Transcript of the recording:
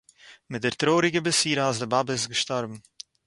מיט דער טרויעריגער בשורה אַז די באַבע איז געשטאָרבן